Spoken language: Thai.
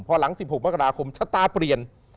พอหลัง๑๖มกราคมชะตาเปลี่ยน